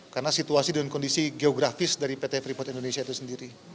karena situasi dan kondisi geografis dari pt freeport indonesia itu sendiri